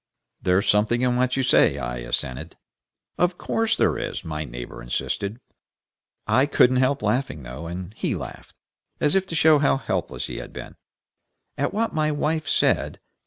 "There's something in what you say," I assented. "Of course there is," my neighbor insisted. "I couldn't help laughing, though," and he laughed, as if to show how helpless he had been, "at what my wife said.